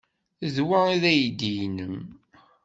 D wa ay d aydi-nnem?